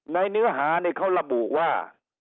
เนื้อหาเขาระบุว่า